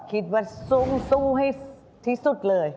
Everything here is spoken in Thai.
คิดว่าซุ้มซุ้มให้ที่สุดเลย